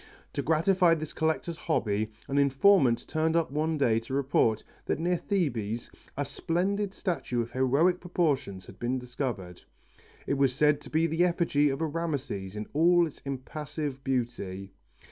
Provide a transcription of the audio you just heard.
To gratify this collector's hobby an informant turned up one day to report that near Thebes a splendid statue of heroic proportions had been discovered. It was said to be the effigy of a Rameses in all its impassive beauty.